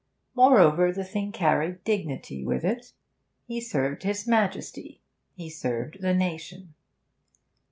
Moreover, the thing carried dignity with it; he served his Majesty, he served the nation.